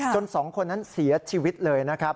สองคนนั้นเสียชีวิตเลยนะครับ